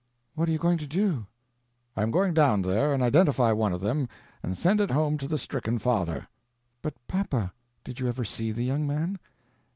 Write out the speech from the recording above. "What are you going to do?" "I am going down there and identify one of them and send it home to the stricken father." "But papa, did you ever see the young man?"